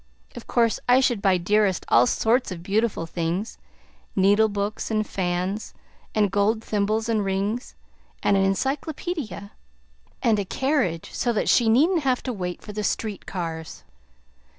Of course I should buy Dearest all sorts of beautiful things, needle books and fans and gold thimbles and rings, and an encyclopedia, and a carriage, so that she needn't have to wait for the street cars.